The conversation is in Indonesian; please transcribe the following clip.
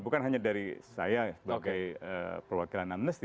bukan hanya dari saya sebagai perwakilan amnesty